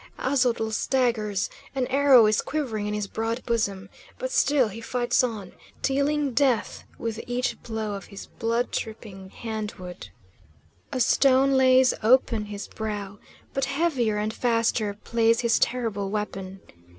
Aztotl staggers, an arrow is quivering in his broad bosom, but still he fights on, dealing death with each blow of his blood dripping hand wood. A stone lays open his brow, but heavier and faster plays his terrible weapon.